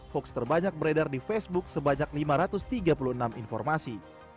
hoax terbanyak beredar di facebook sebanyak lima ratus tiga puluh enam informasi